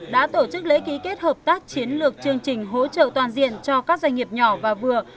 đã tổ chức lễ ký kết hợp tác chiến lược chương trình hỗ trợ toàn diện cho các doanh nghiệp nhỏ và vừa